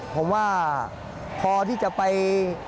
ผมว่าพอที่จะไป